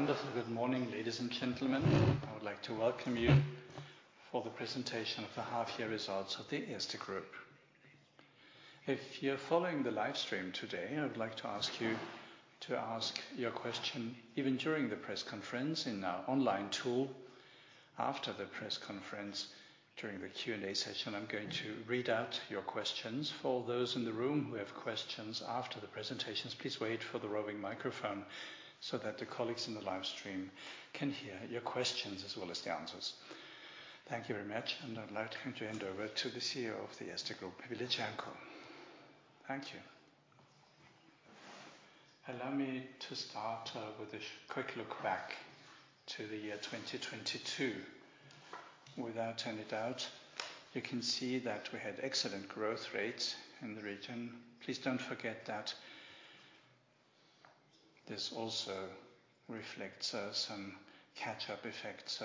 A wonderful good morning, ladies and gentlemen. I would like to welcome you for the presentation of the half-year results of the Erste Group. If you're following the live stream today, I would like to ask you to ask your question even during the press conference in our online tool. After the press conference, during the Q&A session, I'm going to read out your questions. For those in the room who have questions after the presentations, please wait for the roving microphone so that the colleagues in the live stream can hear your questions as well as the answers. Thank you very much, and I'd like to hand over to the CEO of the Erste Group, Willi Cernko. Thank you. Allow me to start with a quick look back to the year 2022. Without any doubt, you can see that we had excellent growth rates in the region. Please don't forget that this also reflects some catch-up effects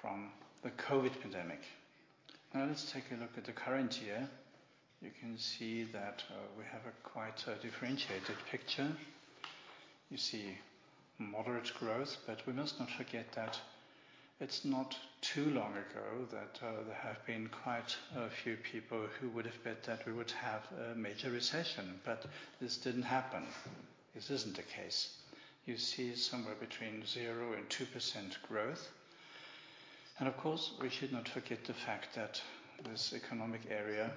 from the COVID pandemic. Let's take a look at the current year. You can see that we have a quite a differentiated picture. You see moderate growth, but we must not forget that it's not too long ago that there have been quite a few people who would have bet that we would have a major recession, but this didn't happen. This isn't the case. You see somewhere between 0% and 2% growth, and of course, we should not forget the fact that this economic area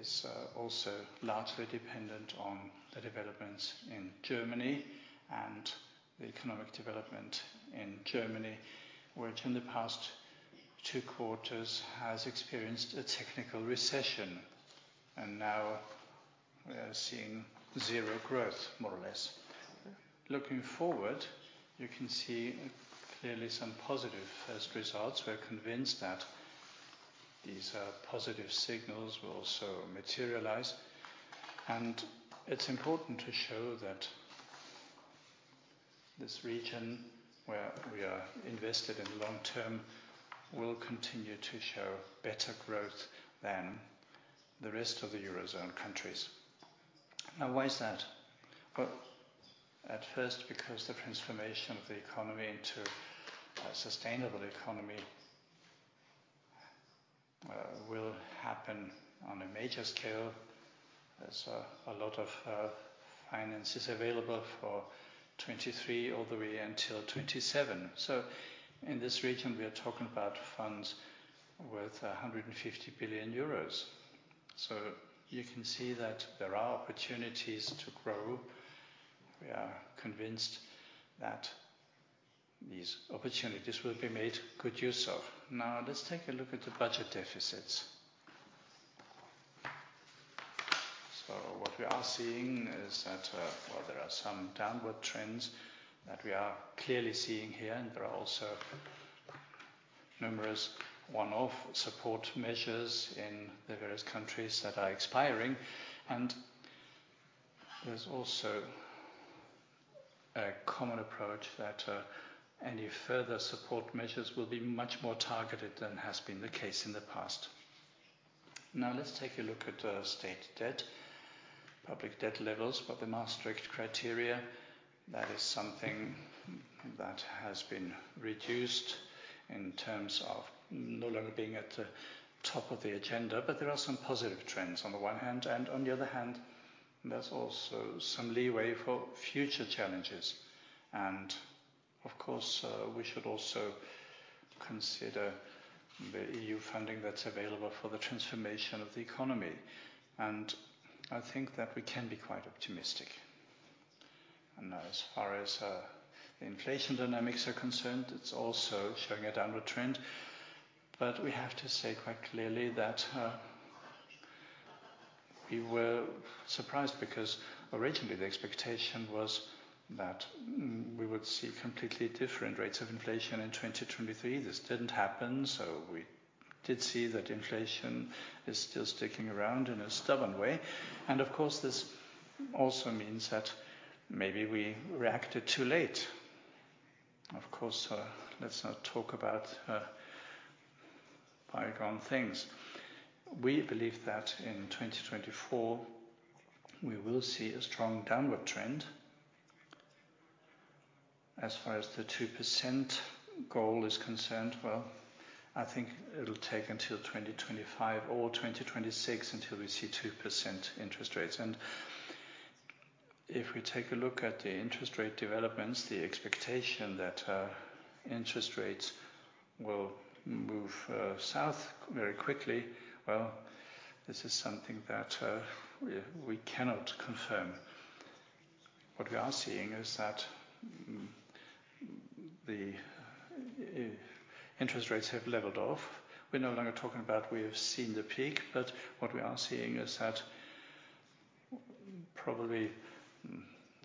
is also largely dependent on the developments in Germany and the economic development in Germany, which in the past two quarters has experienced a technical recession, and now we are seeing 0% growth, more or less. Looking forward, you can see clearly some positive first results. We're convinced that these positive signals will also materialize, and it's important to show that this region, where we are invested in long term, will continue to show better growth than the rest of the Eurozone countries. Why is that? Well, at first, because the transformation of the economy into a sustainable economy will happen on a major scale. There's a lot of finances available for 2023 all the way until 2027. In this region, we are talking about funds worth 150 billion euros. You can see that there are opportunities to grow. We are convinced that these opportunities will be made good use of. Let's take a look at the budget deficits. What we are seeing is that, well, there are some downward trends that we are clearly seeing here, and there are also numerous one-off support measures in the various countries that are expiring. There's also a common approach that, any further support measures will be much more targeted than has been the case in the past. Now, let's take a look at, state debt. Public debt levels for the Maastricht criteria, that is something that has been reduced in terms of no longer being at the top of the agenda, but there are some positive trends on the one hand, and on the other hand, there's also some leeway for future challenges. Of course, we should also consider the EU funding that's available for the transformation of the economy, and I think that we can be quite optimistic. As far as the inflation dynamics are concerned, it's also showing a downward trend. We have to say quite clearly that we were surprised because originally the expectation was that we would see completely different rates of inflation in 2023. This didn't happen, so we did see that inflation is still sticking around in a stubborn way, and of course, this also means that maybe we reacted too late. Of course, let's not talk about bygone things. We believe that in 2024, we will see a strong downward trend. As far as the 2% goal is concerned, well, I think it'll take until 2025 or 2026 until we see 2% interest rates. If we take a look at the interest rate developments, the expectation that interest rates will move south very quickly, well, this is something that we, we cannot confirm. What we are seeing is that the interest rates have leveled off. We're no longer talking about we have seen the peak, but what we are seeing is that probably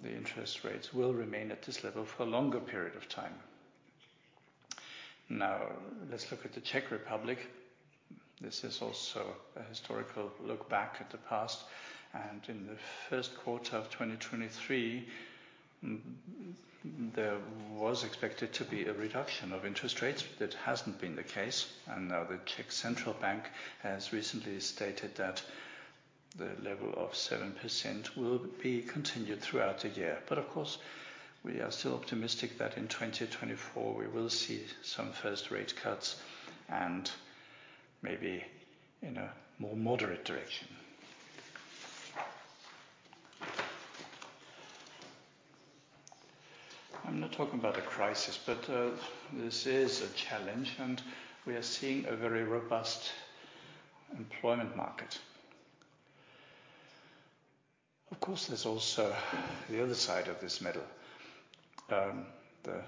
the interest rates will remain at this level for a longer period of time. Now, let's look at the Czech Republic. This is also a historical look back at the past, and in the first quarter of 2023, there was expected to be a reduction of interest rates. That hasn't been the case, and now the Czech National Bank has recently stated that the level of 7% will be continued throughout the year. Of course, we are still optimistic that in 2024, we will see some first rate cuts, and maybe in a more moderate direction. I'm not talking about a crisis, but this is a challenge, and we are seeing a very robust employment market. Of course, there's also the other side of this medal. The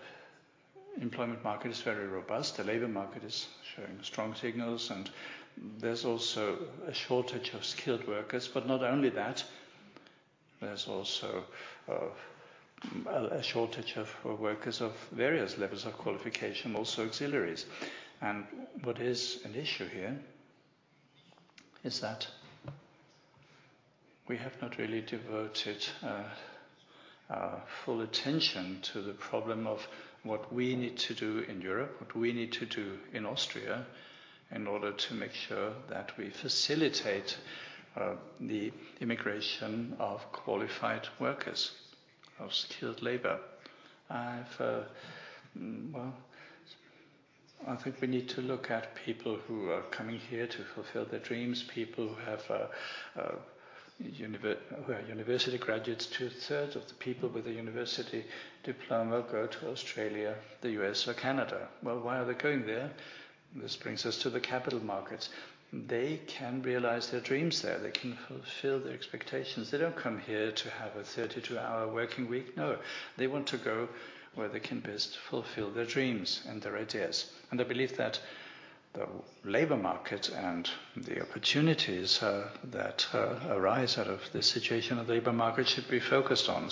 employment market is very robust, the labor market is showing strong signals, and there's also a shortage of skilled workers. Not only that, there's also a shortage of workers of various levels of qualification, also auxiliaries. What is an issue here is that we have not really diverted our full attention to the problem of what we need to do in Europe, what we need to do in Austria, in order to make sure that we facilitate the immigration of qualified workers, of skilled labor. I've. Well, I think we need to look at people who are coming here to fulfill their dreams, people who are university graduates. Two-thirds of the people with a university diploma go to Australia, the U.S., or Canada. Well, why are they going there? This brings us to the capital markets. They can realize their dreams there. They can fulfill their expectations. They don't come here to have a 32-hour working week. No, they want to go where they can best fulfill their dreams and their ideas. I believe that the labor market and the opportunities that arise out of this situation of the labor market should be focused on.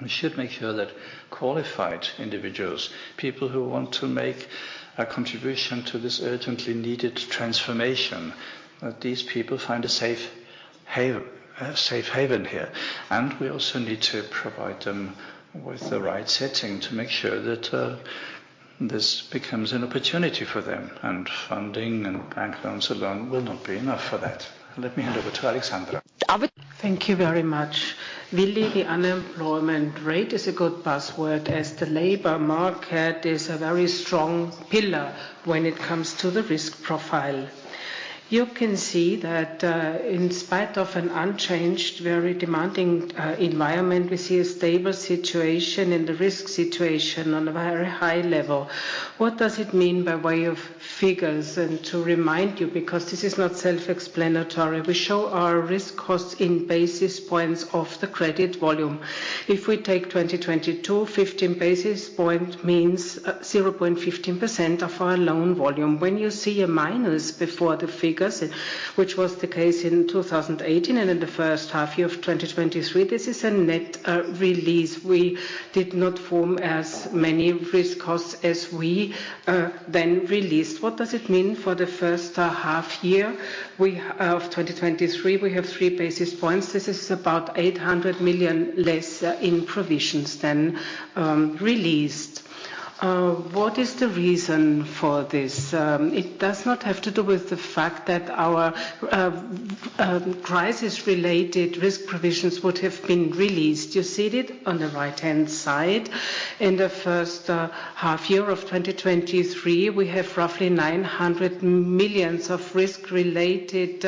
We should make sure that qualified individuals, people who want to make a contribution to this urgently needed transformation, that these people find a safe haven, a safe haven here. We also need to provide them with the right setting to make sure that this becomes an opportunity for them, and funding and bank loans alone will not be enough for that. Let me hand over to Alexandra. Thank you very much. Really, the unemployment rate is a good password, as the labor market is a very strong pillar when it comes to the risk profile. You can see that, in spite of an unchanged, very demanding environment, we see a stable situation and the risk situation on a very high level. What does it mean by way of figures? To remind you, because this is not self-explanatory, we show our risk costs in basis points of the credit volume. If we take 2022, 15 basis point means 0.15% of our loan volume. When you see a minus before the figures, which was the case in 2018 and in the first half year of 2023, this is a net release. We did not form as many risk costs as we then released. What does it mean for the first half year? We of 2023, we have three basis points. This is about 800 million less in provisions than released. What is the reason for this? It does not have to do with the fact that our crisis-related risk provisions would have been released. You see it on the right-hand side. In the first half year of 2023, we have roughly 900 million of risk-related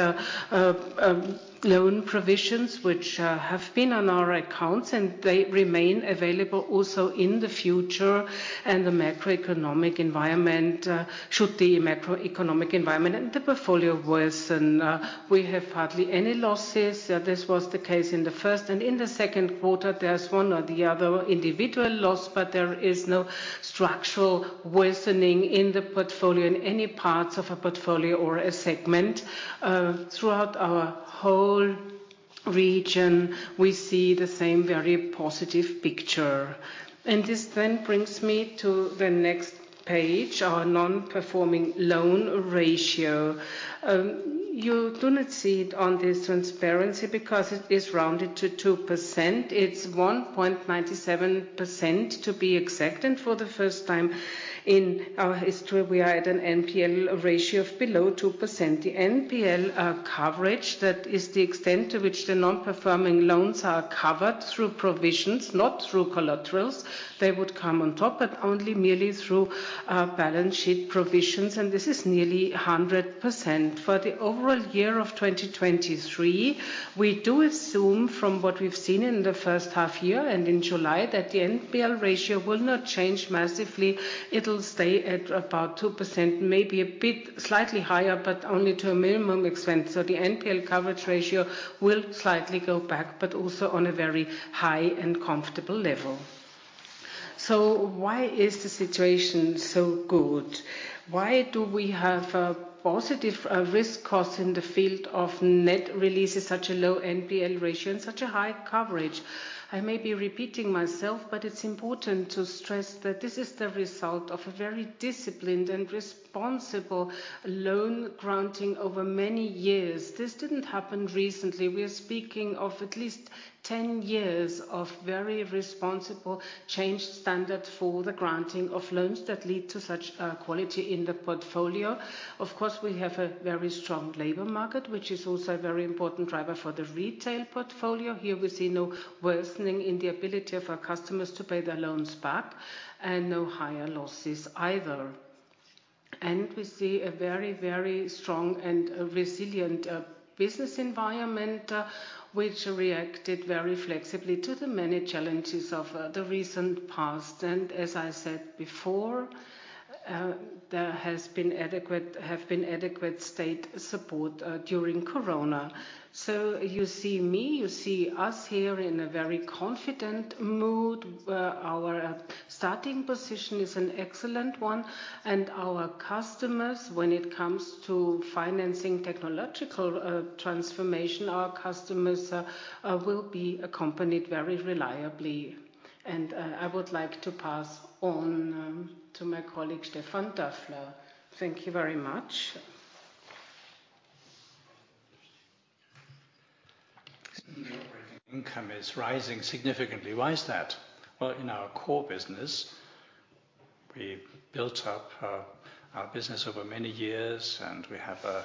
loan provisions, which have been on our accounts, and they remain available also in the future. The macroeconomic environment, should the macroeconomic environment and the portfolio worsen, we have hardly any losses. This was the case in the first and in the second quarter. There's one or the other individual loss, but there is no structural worsening in the portfolio, in any parts of a portfolio or a segment. Throughout our whole region, we see the same very positive picture. This then brings me to the next page, our non-performing loan ratio. You do not see it on this transparency because it is rounded to 2%. It's 1.97%, to be exact, for the first time in our history, we are at an NPL ratio of below 2%. The NPL coverage, that is the extent to which the non-performing loans are covered through provisions, not through collaterals. They would come on top, but only merely through balance sheet provisions, and this is nearly 100%. For the overall year of 2023, we do assume, from what we've seen in the first half year and in July, that the NPL ratio will not change massively. It'll stay at about 2%, maybe a bit slightly higher, but only to a minimum extent. The NPL coverage ratio will slightly go back, but also on a very high and comfortable level. Why is the situation so good? Why do we have a positive risk cost in the field of net release at such a low NPL ratio and such a high coverage? I may be repeating myself, but it's important to stress that this is the result of a very disciplined and responsible loan granting over many years. This didn't happen recently. We are speaking of at least 10 years of very responsible change standard for the granting of loans that lead to such quality in the portfolio. Of course, we have a very strong labor market, which is also a very important driver for the retail portfolio. Here we see no worsening in the ability of our customers to pay their loans back and no higher losses either. We see a very, very strong and resilient business environment, which reacted very flexibly to the many challenges of the recent past. As I said before, there has been adequate- have been adequate state support during Corona. You see me, you see us here in a very confident mood, where our starting position is an excellent one, and our customers, when it comes to financing technological transformation, our customers will be accompanied very reliably. I would like to pass on to my colleague, Stefan Dörfler. Thank you very much. Operating income is rising significantly. Why is that? Well, in our core business, we built up our business over many years, and we have a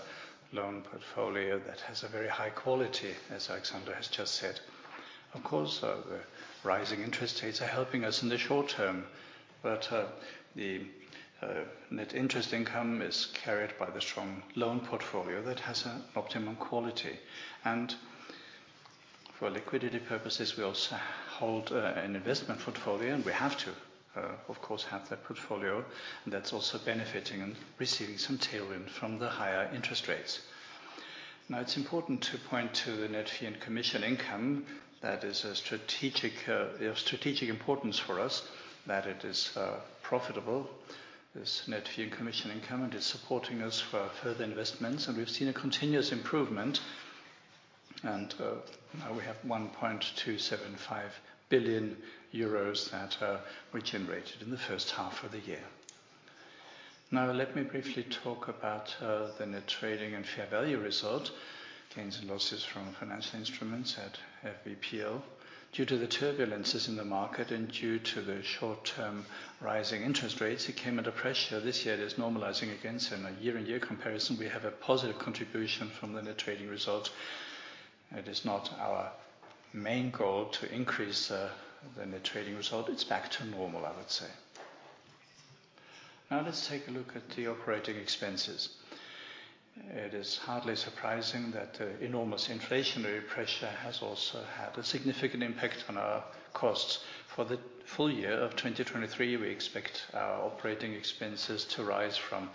loan portfolio that has a very high quality, as Alexandra has just said. Of course, the rising interest rates are helping us in the short term, but the net interest income is carried by the strong loan portfolio that has an optimum quality. For liquidity purposes, we also hold an investment portfolio, and we have to, of course, have that portfolio. That's also benefiting and receiving some tailwind from the higher interest rates. Now, it's important to point to the net fee and commission income. That is a strategic, of strategic importance for us, that it is profitable, this net fee and commission income. It's supporting us for further investments. We've seen a continuous improvement. Now we have 1.275 billion euros that we generated in the first half of the year. Now, let me briefly talk about the net trading and fair value result, gains and losses from financial instruments at FVPL. Due to the turbulences in the market and due to the short-term rising interest rates, it came under pressure. This year, it is normalizing again. In a year-on-year comparison, we have a positive contribution from the net trading result. It is not our main goal to increase the net trading result. It's back to normal, I would say. Now, let's take a look at the operating expenses. It is hardly surprising that enormous inflationary pressure has also had a significant impact on our costs. For the full year of 2023, we expect our operating expenses to rise from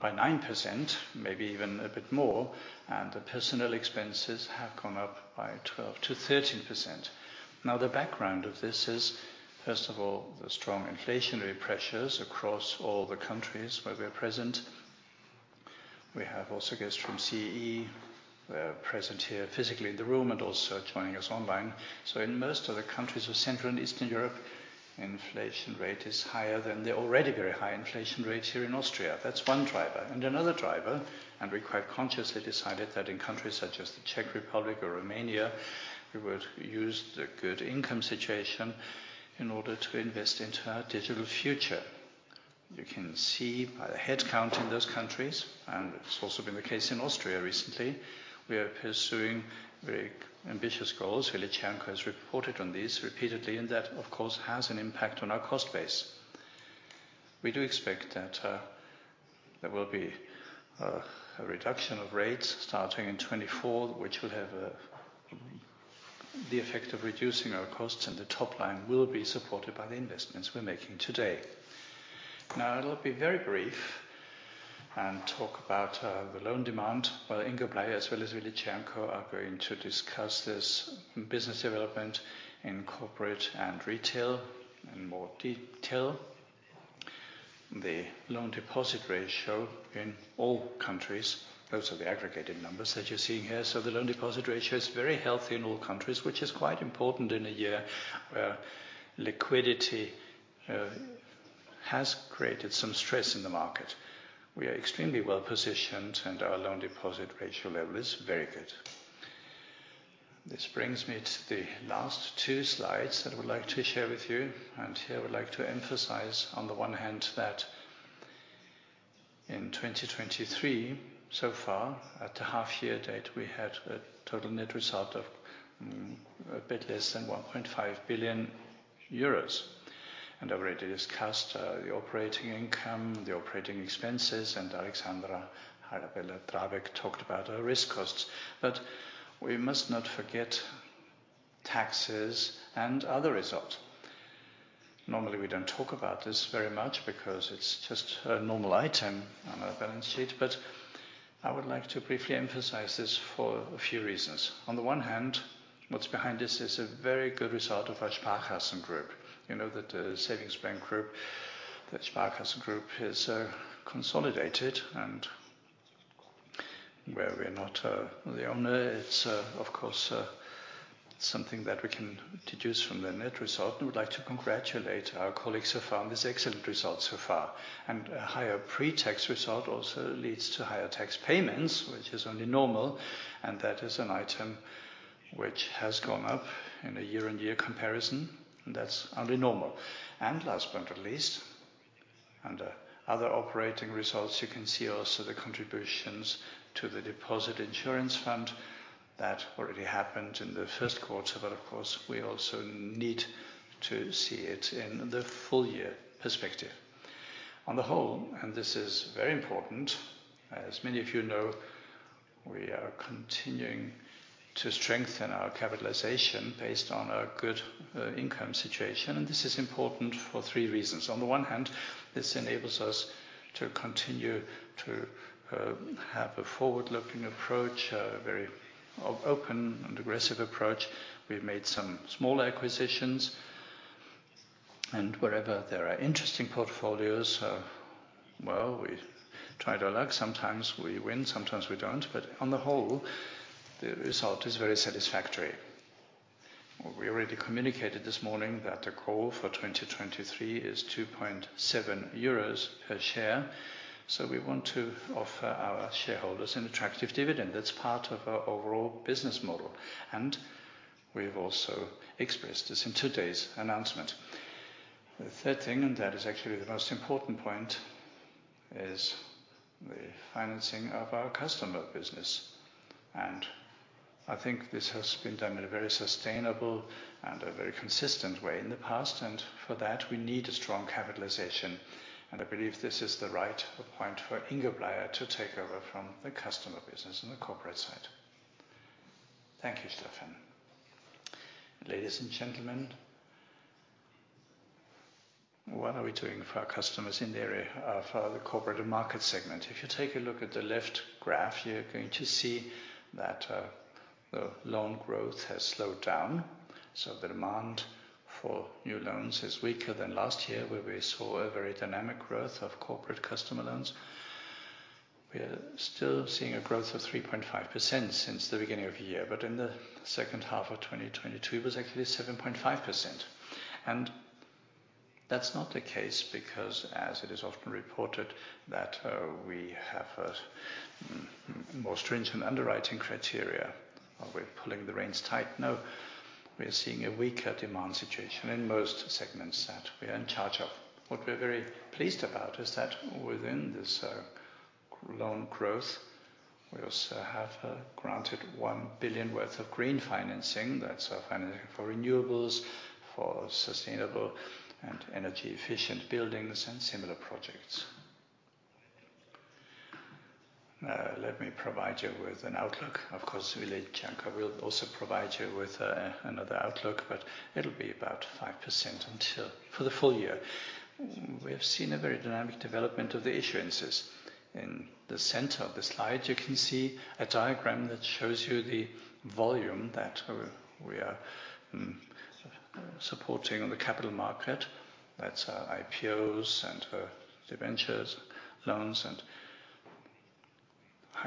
by 9%, maybe even a bit more, and the personnel expenses have gone up by 12%-13%. Now, the background of this is, first of all, the strong inflationary pressures across all the countries where we are present. We have also guests from CEE, who are present here physically in the room and also joining us online. In most of the countries of Central and Eastern Europe, inflation rate is higher than the already very high inflation rates here in Austria. That's one driver. Another driver, and we quite consciously decided that in countries such as the Czech Republic or Romania, we would use the good income situation in order to invest into our digital future. You can see by the headcount in those countries, and it's also been the case in Austria recently, we are pursuing very ambitious goals. Willi Cernko has reported on this repeatedly, and that, of course, has an impact on our cost base. We do expect that there will be a reduction of rates starting in 2024, which will have the effect of reducing our costs, and the top line will be supported by the investments we're making today. Now, it'll be very brief and talk about the loan demand, while Ingo Bleier as well as Willi Cernko are going to discuss this business development in corporate and retail in more detail. The loan deposit ratio in all countries, those are the aggregated numbers that you're seeing here. The loan deposit ratio is very healthy in all countries, which is quite important in a year where liquidity has created some stress in the market. We are extremely well-positioned, and our loan deposit ratio level is very good. This brings me to the last two slides that I would like to share with you, and here I would like to emphasize, on the one hand, that in 2023, so far, at the half-year date, we had a total net result of a bit less than 1.5 billion euros. I've already discussed the operating income, the operating expenses, and Alexandra Habeler-Drabek talked about our risk costs. We must not forget taxes and other results. Normally, we don't talk about this very much because it's just a normal item on our balance sheet, but I would like to briefly emphasize this for a few reasons. On the one hand, what's behind this is a very good result of our Sparkassen Group. You know that, savings bank group, the Sparkassen Group, is consolidated, and where we're not, the owner, it's, of course, something that we can deduce from the net result, and would like to congratulate our colleagues so far on this excellent result so far. A higher pre-tax result also leads to higher tax payments, which is only normal, and that is an item which has gone up in a year-on-year comparison, and that's only normal. Last but not least, under other operating results, you can see also the contributions to the Deposit Insurance Fund... That already happened in the first quarter, but of course, we also need to see it in the full year perspective. On the whole, and this is very important, as many of you know, we are continuing to strengthen our capitalization based on a good, income situation, and this is important for three reasons. On the one hand, this enables us to continue to have a forward-looking approach, a very open and aggressive approach. We've made some small acquisitions, and wherever there are interesting portfolios, well, we try our luck. Sometimes we win, sometimes we don't. On the whole, the result is very satisfactory. We already communicated this morning that the goal for 2023 is 2.7 euros per share, so we want to offer our shareholders an attractive dividend. That's part of our overall business model, and we've also expressed this in today's announcement. The third thing, and that is actually the most important point, is the financing of our customer business, and I think this has been done in a very sustainable and a very consistent way in the past, and for that, we need a strong capitalization. I believe this is the right point for Ingo Bleier to take over from the customer business on the corporate side. Thank you, Stefan. Ladies and gentlemen, what are we doing for our customers in the area of the Corporates and Markets segment? If you take a look at the left graph, you're going to see that the loan growth has slowed down, so the demand for new loans is weaker than last year, where we saw a very dynamic growth of corporate customer loans. We are still seeing a growth of 3.5% since the beginning of the year, but in the second half of 2022, it was actually 7.5%. That's not the case because, as it is often reported, that we have a more stringent underwriting criteria, or we're pulling the reins tight. No, we are seeing a weaker demand situation in most segments that we are in charge of. What we're very pleased about is that within this loan growth, we also have granted 1 billion worth of green financing. That's financing for renewables, for sustainable and energy-efficient buildings and similar projects. Let me provide you with an outlook. Of course, Willi Cernko will also provide you with another outlook, but it'll be about 5% until... For the full year. We have seen a very dynamic development of the issuances. In the center of the slide, you can see a diagram that shows you the volume that we are supporting on the capital market. That's IPOs and debentures, loans and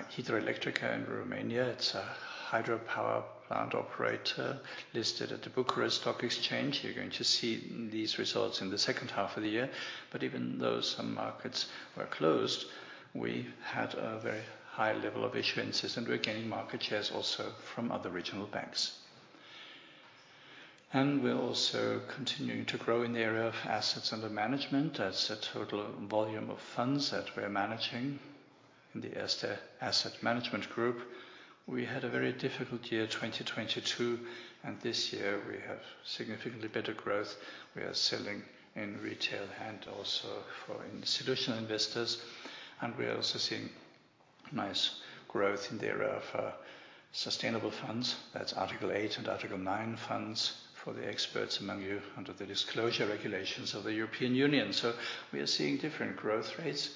Hidroelectrica in Romania. It's a hydropower plant operator listed at the Bucharest Stock Exchange. You're going to see these results in the second half of the year. Even though some markets were closed, we had a very high level of issuances, and we're gaining market shares also from other regional banks. We're also continuing to grow in the area of assets under management. That's the total volume of funds that we're managing in the asset management group. We had a very difficult year, 2022, and this year we have significantly better growth. We are selling in retail and also for institutional investors, and we are also seeing nice growth in the area of sustainable funds. That's Article 8 and Article 9 funds for the experts among you under the disclosure regulations of the European Union. We are seeing different growth rates,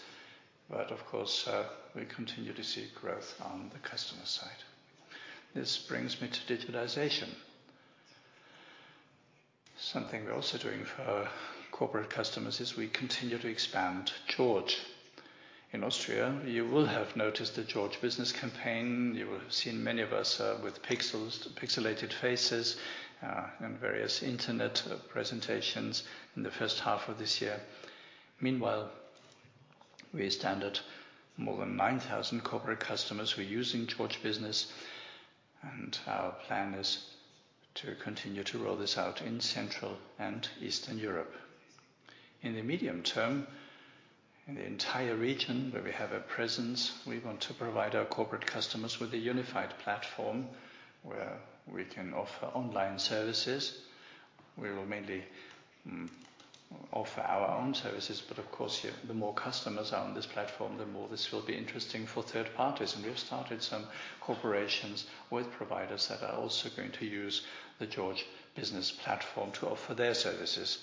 but of course, we continue to see growth on the customer side. This brings me to digitalization. Something we're also doing for our corporate customers is we continue to expand George. In Austria, you will have noticed the George Business campaign. You will have seen many of us with pixels, pixelated faces, on various internet presentations in the first half of this year. Meanwhile, we stand at more than 9,000 corporate customers who are using George Business, and our plan is to continue to roll this out in Central and Eastern Europe. In the medium term, in the entire region where we have a presence, we want to provide our corporate customers with a unified platform, where we can offer online services. We will mainly offer our own services, but of course, the more customers are on this platform, the more this will be interesting for third parties. We have started some cooperations with providers that are also going to use the George Business platform to offer their services.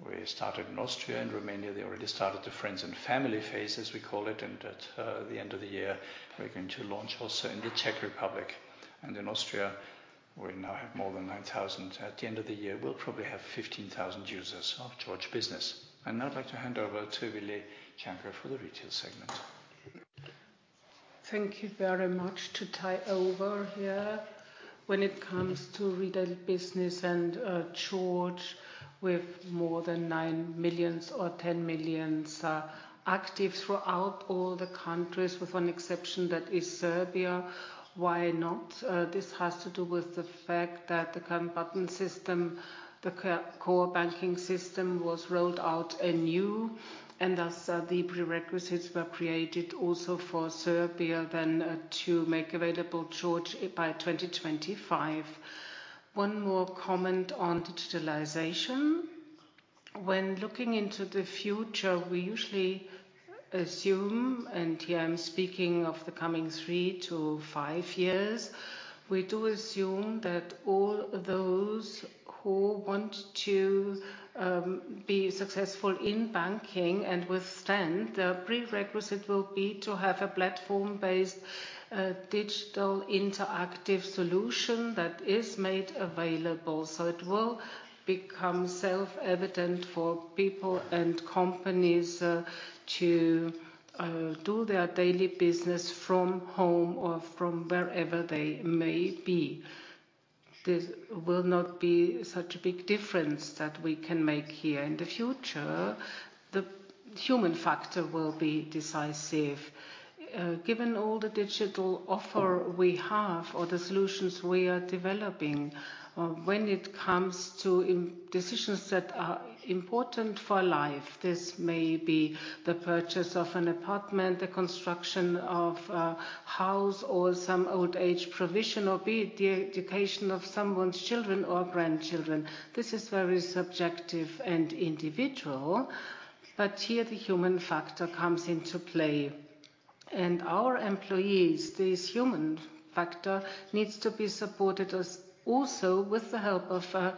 We started in Austria and Romania. They already started the friends and family phase, as we call it, and at the end of the year, we're going to launch also in the Czech Republic. In Austria, we now have more than 9,000. At the end of the year, we'll probably have 15,000 users of George Business. I'd now like to hand over to Willi Cernko for the retail segment. Thank you very much. To take over here, when it comes to retail business and George, with more than 9 million or 10 million are active throughout all the countries, with one exception, that is Serbia. Why not? This has to do with the fact that the current core banking system was rolled out anew, and thus, the prerequisites were created also for Serbia then to make available George by 2025. One more comment on digitalization. When looking into the future, we usually assume, and here I'm speaking of the coming three to five years, we do assume that all those who want to be successful in banking and withstand, the prerequisite will be to have a platform-based digital interactive solution that is made available. It will become self-evident for people and companies to do their daily business from home or from wherever they may be. This will not be such a big difference that we can make here. In the future, the human factor will be decisive. Given all the digital offer we have or the solutions we are developing, when it comes to decisions that are important for life, this may be the purchase of an apartment, the construction of a house, or some old age provision, or be it the education of someone's children or grandchildren, this is very subjective and individual, but here the human factor comes into play. Our employees, this human factor, needs to be supported also with the help of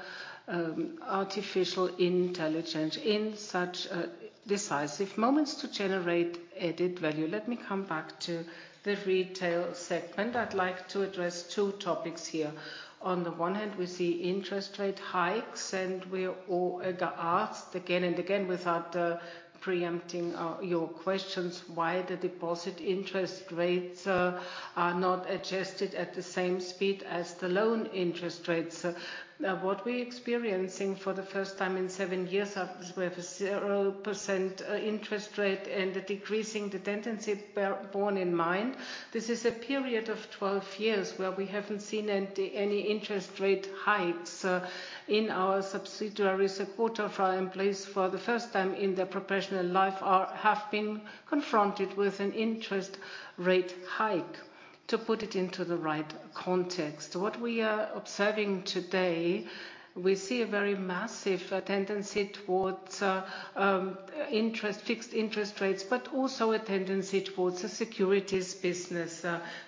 artificial intelligence in such decisive moments to generate added value. Let me come back to the retail segment. I'd like to address two topics here. On the one hand, we see interest rate hikes, and we are all asked again and again, without preempting your questions, why the deposit interest rates are not adjusted at the same speed as the loan interest rates? What we're experiencing for the first time in seven years, we have a 0% interest rate and a decreasing, the tendency borne in mind. This is a period of 12 years where we haven't seen any, any interest rate hikes. In our subsidiaries, a quarter of our employees, for the first time in their professional life, have been confronted with an interest rate hike, to put it into the right context. What we are observing today, we see a very massive tendency towards fixed interest rates, but also a tendency towards the securities business.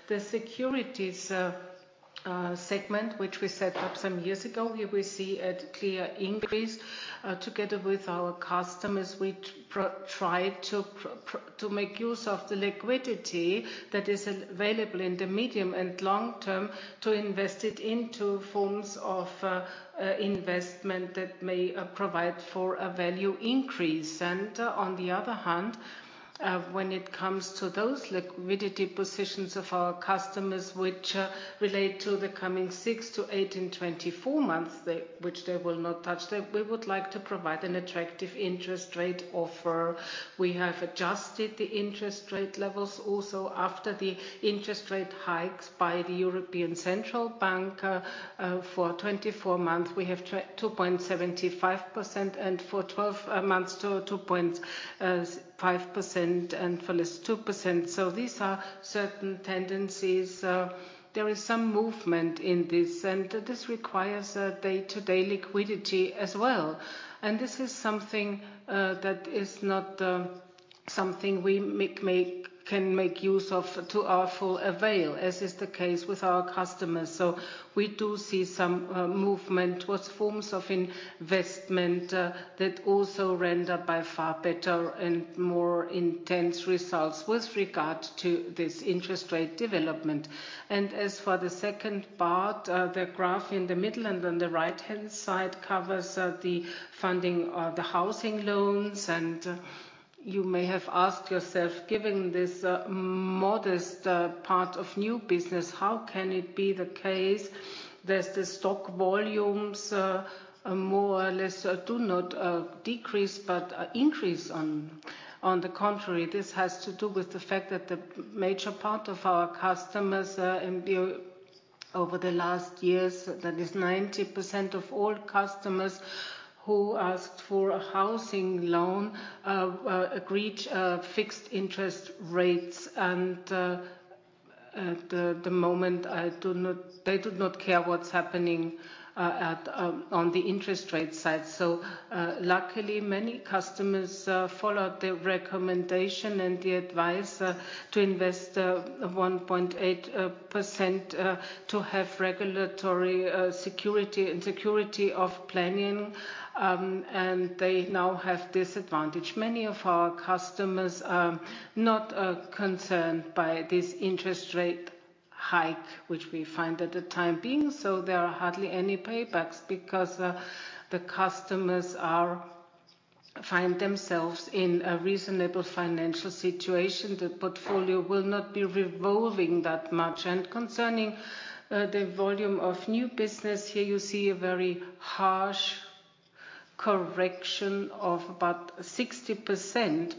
The securities segment, which we set up some years ago, here we see a clear increase. Together with our customers, we try to make use of the liquidity that is available in the medium and long term, to invest it into forms of investment that may provide for a value increase. On the other hand, when it comes to those liquidity positions of our customers which relate to the coming six to 18, 24 months, which they will not touch, then we would like to provide an attractive interest rate offer. We have adjusted the interest rate levels also after the interest rate hikes by the European Central Bank. For 24 months, we have 2.75%, and for 12 months, 2.5%, and for less, 2%. These are certain tendencies. There is some movement in this, and this requires a day-to-day liquidity as well. This is something that is not something we can make use of to our full avail, as is the case with our customers. We do see some movement towards forms of investment that also render by far better and more intense results with regard to this interest rate development. As for the second part, the graph in the middle and on the right-hand side covers the funding of the housing loans. You may have asked yourself, given this modest part of new business, how can it be the case that the stock volumes, more or less, do not decrease, but increase on the contrary? This has to do with the fact that the major part of our customers, over the last years, that is 90% of all customers who asked for a housing loan, agreed fixed interest rates, and at the moment, they do not care what's happening on the interest rate side. Luckily, many customers followed the recommendation and the advice to invest 1.8% to have regulatory security and security of planning, and they now have this advantage. Many of our customers are not concerned by this interest rate hike, which we find at the time being. There are hardly any paybacks because the customers find themselves in a reasonable financial situation. The portfolio will not be revolving that much. Concerning the volume of new business, here you see a very harsh correction of about 60%.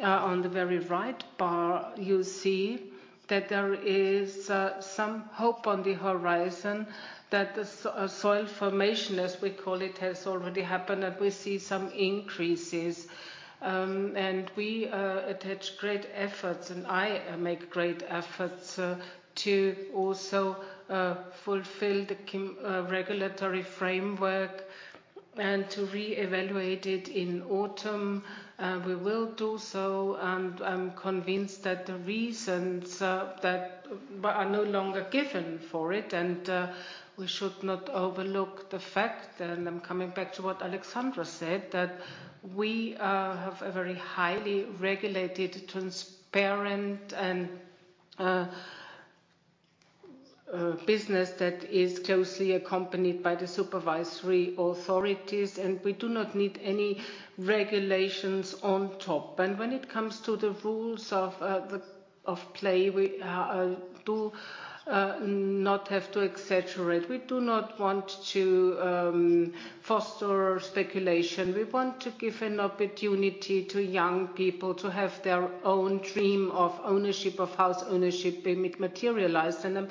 On the very right bar, you see that there is some hope on the horizon, that the soil formation, as we call it, has already happened, and we see some increases. We attach great efforts, and I make great efforts to also fulfill the KIM regulatory framework and to reevaluate it in autumn. We will do so, and I'm convinced that the reasons, that, but are no longer given for it, and, we should not overlook the fact, and I'm coming back to what Alexandra said, that we, have a very highly regulated, transparent and, business that is closely accompanied by the supervisory authorities, and we do not need any regulations on top. When it comes to the rules of, the, of play, we, do, not have to exaggerate. We do not want to foster speculation. We want to give an opportunity to young people to have their own dream of ownership, of house ownership, be materialized. I'm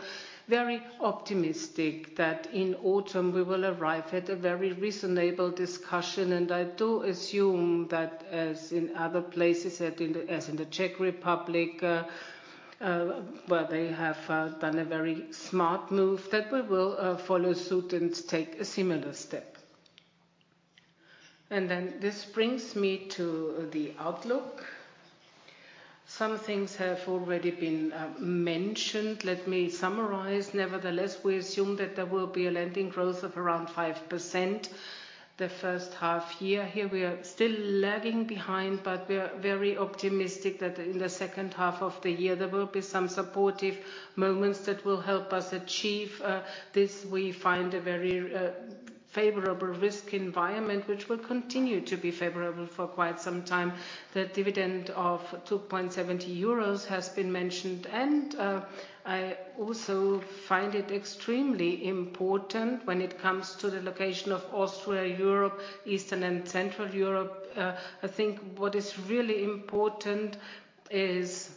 very optimistic that in autumn we will arrive at a very reasonable discussion, and I do assume that, as in other places, that in the... As in the Czech Republic, where they have done a very smart move, that we will follow suit and take a similar step. This brings me to the outlook. Some things have already been mentioned. Let me summarize. Nevertheless, we assume that there will be a lending growth of around 5% the first half year. Here, we are still lagging behind, but we are very optimistic that in the second half of the year, there will be some supportive moments that will help us achieve this. We find a very favorable risk environment, which will continue to be favorable for quite some time. The dividend of 2.70 euros has been mentioned, and I also find it extremely important when it comes to the location of Austria, Europe, Eastern and Central Europe, I think what is really important is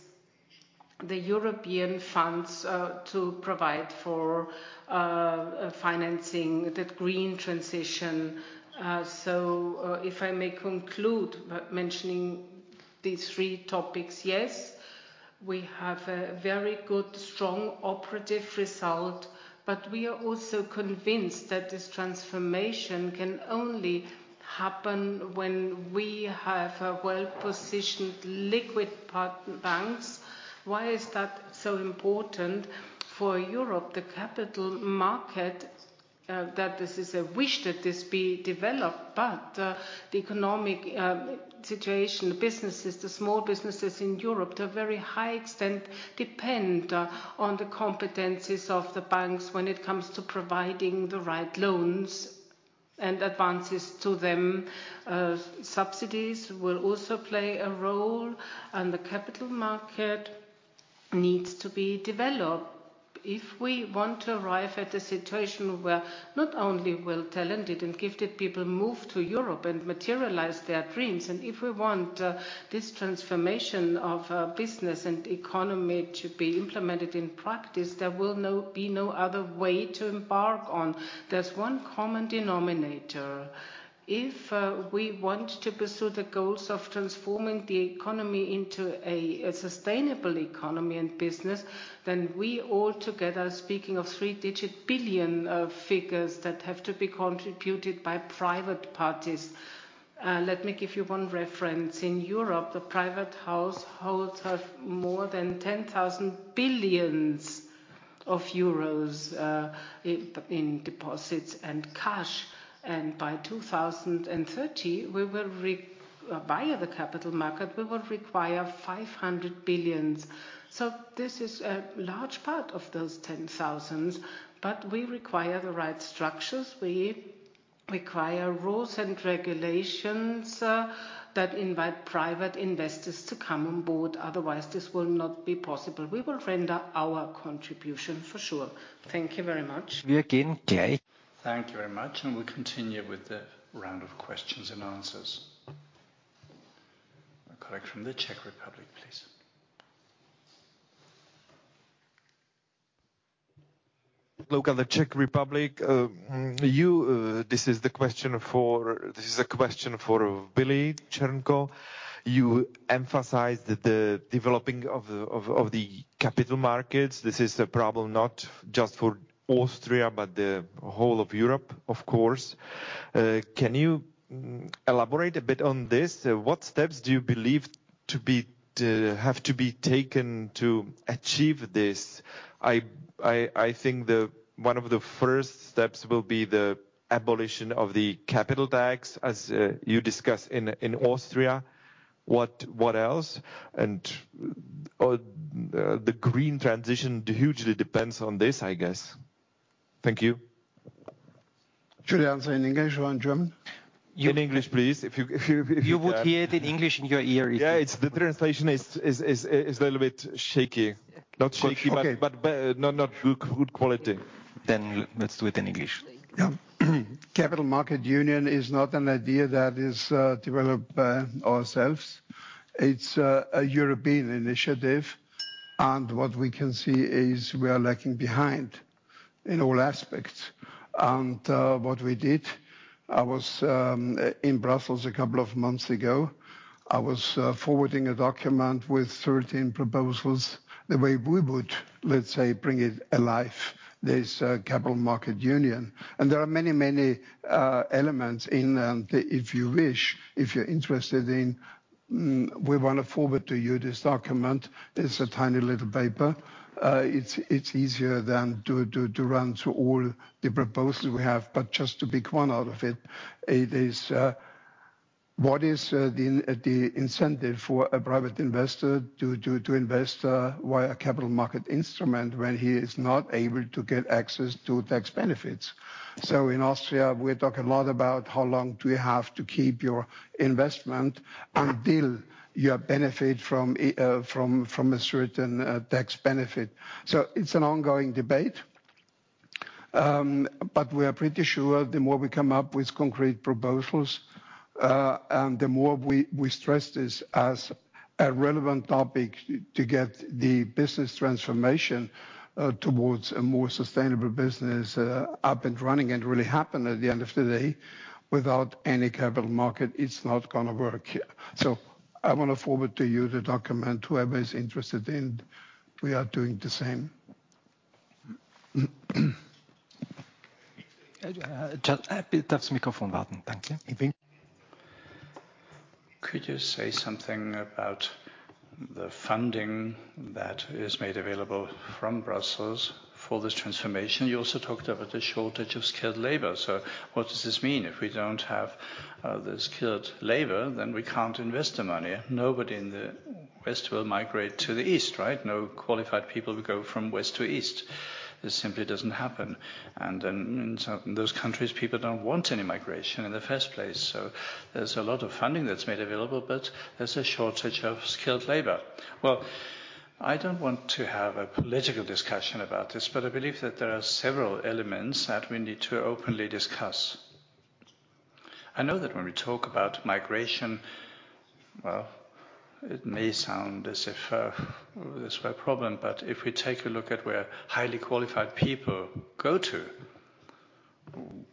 the European funds to provide for financing the green transition. If I may conclude by mentioning these three topics, yes, we have a very good, strong operative result, but we are also convinced that this transformation can only happen when we have a well-positioned liquid part banks. Why is that so important for Europe? The capital market, that this is a wish that this be developed, but the economic situation, the businesses, the small businesses in Europe, to a very high extent depend on the competencies of the banks when it comes to providing the right loans and advances to them. Subsidies will also play a role, and the capital market needs to be developed. If we want to arrive at a situation where not only well-talented and gifted people move to Europe and materialize their dreams, and if we want this transformation of business and economy to be implemented in practice, there will be no other way to embark on. There's one common denominator: If we want to pursue the goals of transforming the economy into a sustainable economy and business, then we all together speaking of three-digit billion figures that have to be contributed by private parties. Let me give you one reference. In Europe, the private households have more than 10,000 billions euros in deposits and cash. By 2030, we will via the capital market, we will require 500 billion. This is a large part of those 10,000. We require the right structures, we require rules and regulations that invite private investors to come on board, otherwise this will not be possible. We will render our contribution for sure. Thank you very much. We are again, like-Thank you very much. We continue with the round of questions and answers. A colleague from the Czech Republic, please. Local, the Czech Republic, you, this is the question for... This is a question for Willi Cernko. You emphasized that the developing of the, of, of the capital markets, this is a problem not just for Austria, but the whole of Europe, of course. Can you elaborate a bit on this? What steps do you believe to be, to have to be taken to achieve this? I, I, I think the, one of the first steps will be the abolition of the capital tax, as, you discuss in, in Austria. What, what else? Or the green transition hugely depends on this, I guess. Thank you. Should I answer in English or in German? In English, please. If you, if you, if you can. You would hear it in English in your ear easier. Yeah, it's the translation is a little bit shaky. Not shaky. But, not good quality. Let's do it in English. Yeah. Capital Markets Union is not an idea that is developed ourselves.... It's a European initiative. What we can see is we are lagging behind in all aspects. What we did, I was in Brussels a couple of months ago. I was forwarding a document with 13 proposals, the way we would, let's say, bring it alive, this Capital Markets Union. There are many, many elements in them. If you wish, if you're interested in, we want to forward to you this document. It's a tiny little paper. It's easier than to run through all the proposals we have, but just to pick one out of it, it is what is the incentive for a private investor to invest via capital market instrument when he is not able to get access to tax benefits? In Austria, we talk a lot about how long do you have to keep your investment until you have benefit from, from a certain tax benefit. It's an ongoing debate. But we are pretty sure the more we come up with concrete proposals, and the more we, we stress this as a relevant topic to, to get the business transformation, towards a more sustainable business, up and running and really happen at the end of the day, without any capital market, it's not gonna work. I want to forward to you the document, whoever is interested in, we are doing the same. tell- „ Bitte das Mikrofon warten. Danke.„ Ihnen. Could you say something about the funding that is made available from Brussels for this transformation? You also talked about the shortage of skilled labor, what does this mean? If we don't have the skilled labor, then we can't invest the money. Nobody in the West will migrate to the East, right? No qualified people will go from West to East. This simply doesn't happen, then those countries, people don't want any migration in the first place. There's a lot of funding that's made available, but there's a shortage of skilled labor. Well, I don't want to have a political discussion about this, but I believe that there are several elements that we need to openly discuss. I know that when we talk about migration, well, it may sound as if, there's no problem, but if we take a look at where highly qualified people go to,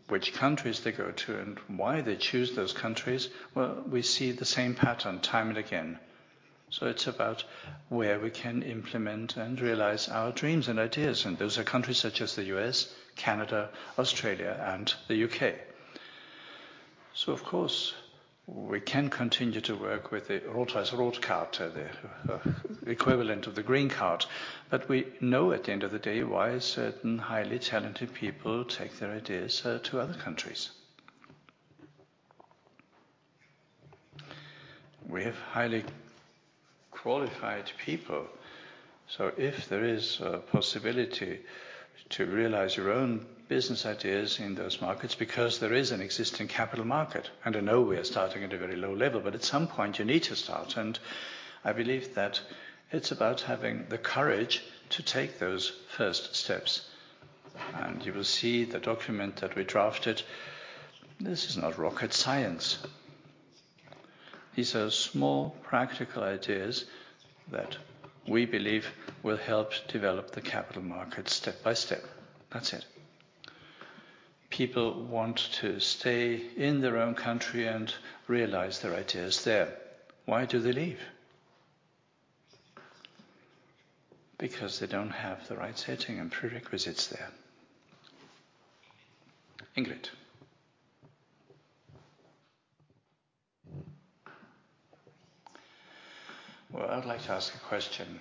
which countries they go to, and why they choose those countries, well, we see the same pattern time and again. It's about where we can implement and realize our dreams and ideas, and those are countries such as the U.S., Canada, Australia, and the U.K. Of course, we can continue to work with the Rot-Weiß-Rot – Karte, the equivalent of the Green Card, but we know at the end of the day why certain highly talented people take their ideas to other countries. We have highly qualified people, if there is a possibility to realize your own business ideas in those markets, because there is an existing capital market, I know we are starting at a very low level, at some point you need to start, I believe that it's about having the courage to take those first steps. You will see the document that we drafted, this is not rocket science. These are small, practical ideas that we believe will help develop the capital market step by step. That's it. People want to stay in their own country and realize their ideas there. Why do they leave? Because they don't have the right setting and prerequisites there. Ingrid? Well, I'd like to ask a question.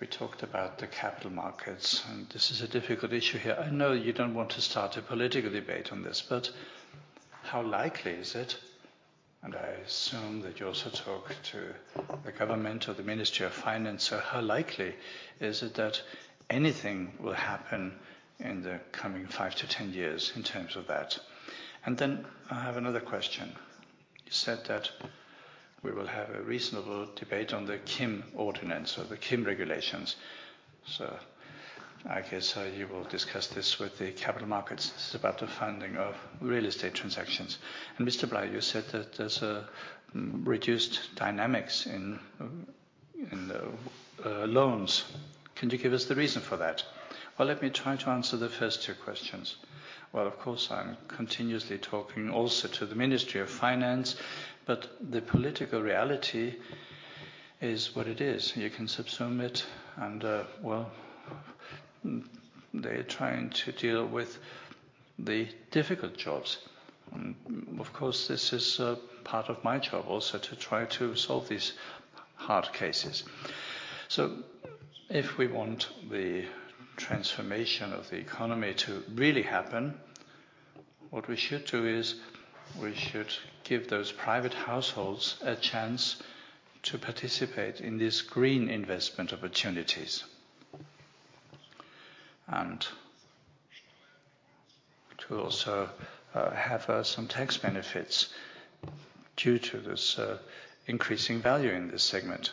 We talked about the capital markets, and this is a difficult issue here. I know you don't want to start a political debate on this, but how likely is it, and I assume that you also talk to the government or the Ministry of Finance, so how likely is it that anything will happen in the coming five to 10 years in terms of that? Then I have another question: You said that we will have a reasonable debate on the KIM ordinance or the KIM Regulations, so I guess you will discuss this with the capital markets. This is about the funding of real estate transactions. Mr. Bleier, you said that there's a reduced dynamics in, in loans. Can you give us the reason for that? Let me try to answer the first two questions. Of course, I'm continuously talking also to the Ministry of Finance, but the political reality is what it is. You can subsume it and, well, they're trying to deal with the difficult jobs. Of course, this is part of my job also, to try to solve these hard cases. If we want the transformation of the economy to really happen, what we should do is, we should give those private households a chance to participate in this green investment opportunities and... to also have some tax benefits due to this increasing value in this segment...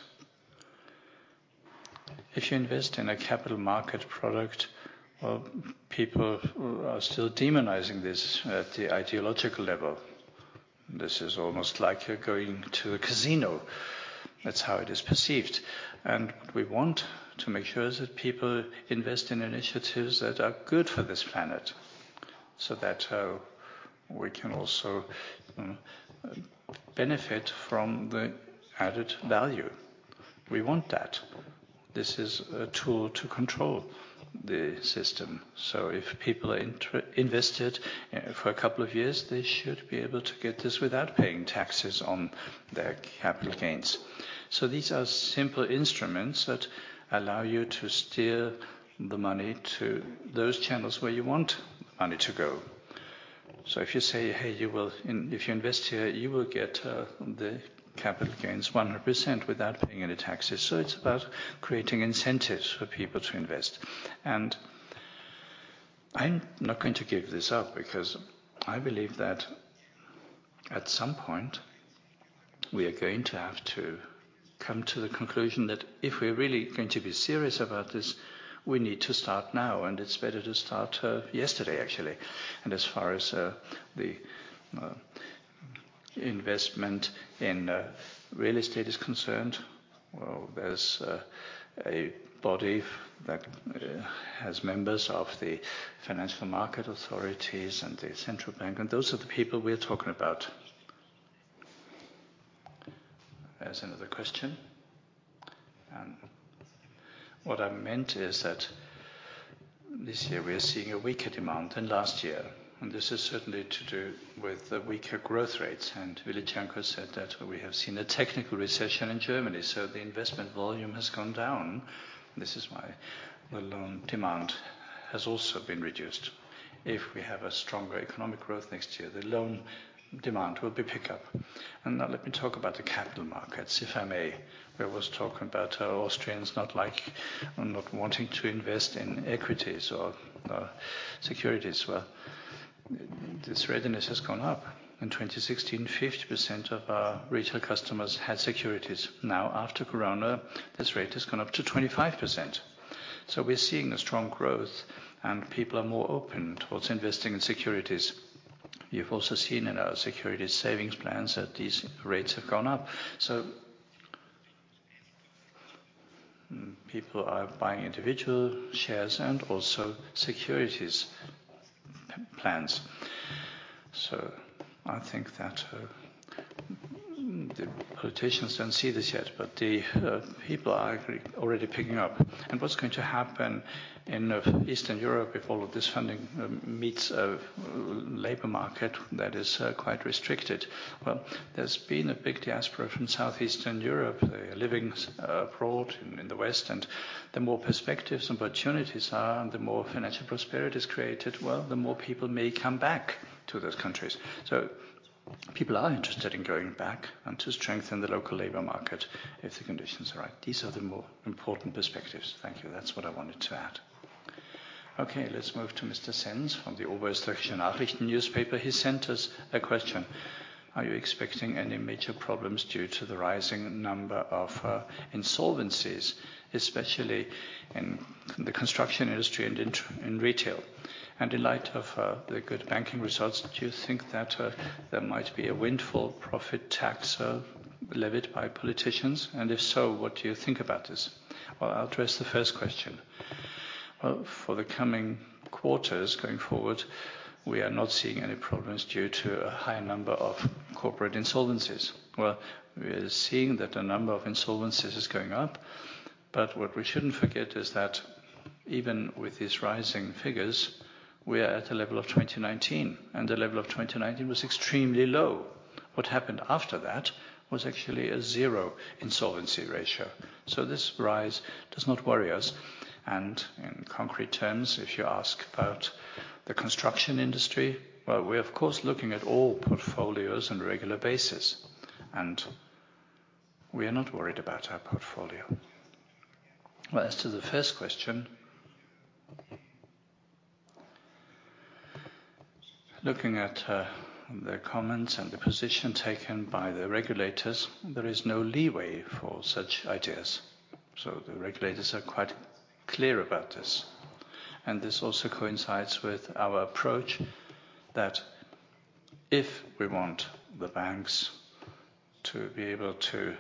If you invest in a capital market product, well, people are still demonizing this at the ideological level. This is almost like you're going to a casino. That's how it is perceived, and we want to make sure that people invest in initiatives that are good for this planet, so that we can also benefit from the added value. We want that. This is a tool to control the system. If people are invested for a couple of years, they should be able to get this without paying taxes on their capital gains. These are simple instruments that allow you to steer the money to those channels where you want money to go. If you say, "Hey, if you invest here, you will get the capital gains 100% without paying any taxes." It's about creating incentives for people to invest. I'm not going to give this up, because I believe that at some point, we are going to have to come to the conclusion that if we're really going to be serious about this, we need to start now, and it's better to start yesterday, actually. As far as the investment in real estate is concerned, well, there's a body that has members of the financial market authorities and the central bank, and those are the people we are talking about. There's another question. What I meant is that this year we are seeing a weaker demand than last year, and this is certainly to do with the weaker growth rates. Willi Cernko said that we have seen a technical recession in Germany, so the investment volume has gone down. This is why the loan demand has also been reduced. If we have a stronger economic growth next year, the loan demand will be pick up. Now let me talk about the capital markets, if I may. Where I was talking about how Austrians not like or not wanting to invest in equities or securities. Well, this readiness has gone up. In 2016, 50% of our retail customers had securities. Now, after Corona, this rate has gone up to 25%. We're seeing a strong growth, and people are more open towards investing in securities. You've also seen in our securities savings plans that these rates have gone up. People are buying individual shares and also securities plans. I think that the politicians don't see this yet, but the people are already picking up. What's going to happen in Eastern Europe if all of this funding meets a labor market that is quite restricted? Well, there's been a big diaspora from southeastern Europe. They are living abroad in the West, the more perspectives and opportunities are, the more financial prosperity is created, well, the more people may come back to those countries. People are interested in going back and to strengthen the local labor market if the conditions are right. These are the more important perspectives. Thank you. That's what I wanted to add. Okay, let's move to Mr. Sens from the Oberösterreichische Nachrichten newspaper. He sent us a question: "Are you expecting any major problems due to the rising number of insolvencies, especially in the construction industry and in retail? And in light of the good banking results, do you think that there might be a windfall profit tax levied by politicians? And if so, what do you think about this?" Well, I'll address the first question. Well, for the coming quarters going forward, we are not seeing any problems due to a high number of corporate insolvencies. Well, we are seeing that the number of insolvencies is going up. What we shouldn't forget is that even with these rising figures, we are at a level of 2019, and the level of 2019 was extremely low. What happened after that was actually a zero insolvency ratio. This rise does not worry us, and in concrete terms, if you ask about the construction industry, well, we're of course, looking at all portfolios on a regular basis, and we are not worried about our portfolio. Well, as to the first question. Looking at the comments and the position taken by the regulators, there is no leeway for such ideas. The regulators are quite clear about this. This also coincides with our approach, that if we want the banks to be able to